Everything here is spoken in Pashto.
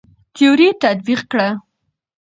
تيوري تطبيق کړه.